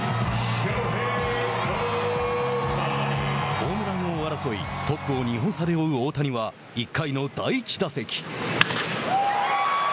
ホームラン王争いトップを２本差で追う大谷は１回の第１打席。